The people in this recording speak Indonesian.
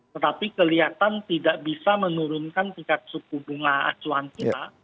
tetapi kelihatan tidak bisa menurunkan tingkat suku bunga acuan kita